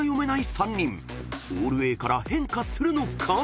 ［オールＡから変化するのか］